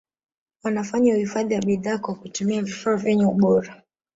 wanafanya uhifadhi wa bidhaa kwa kutumia vifaa vyenye ubora